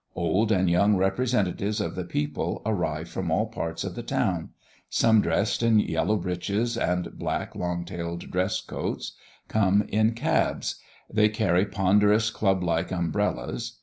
Old and young representatives of the people arrive from all parts of the town; some dressed in yellow breeches, and black long tailed dress coats, come in cabs. They carry ponderous club like umbrellas.